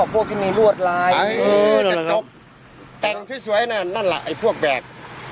อ๋อพวกชิ้นงี้รวดไรก็จะตลกแกร่งพูดสวยน่ะนั่นล่ะไอ้พวกแบก